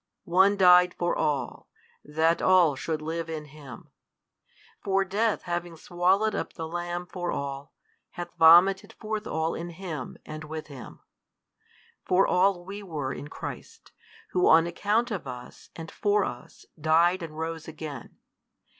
One died for all, that all should live in Him. For death having swallowed up the Lamb for all, hath vomited forth all in Him and with Him. For all we were in Christ, Who on account of us and for us died and rose again.